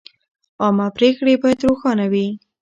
عامه پریکړې باید روښانه وي.